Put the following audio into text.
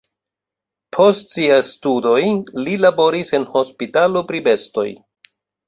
Post siaj studoj li laboris en hospitalo pri bestoj.